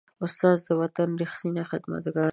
استاد د وطن ریښتینی خدمتګار دی.